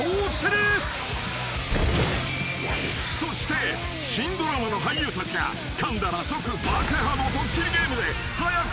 ［そして新ドラマの俳優たちがかんだら即爆破のドッキリゲームで早くもチーム崩壊の危機が］